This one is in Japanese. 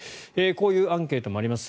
こういうアンケートもあります。